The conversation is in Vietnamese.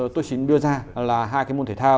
tôi xin đưa ra là hai cái môn thể thao